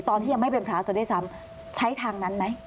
ตอนที่ยังไม่เป็นพระซะด้วยซ้ำใช้ทางนั้นไหม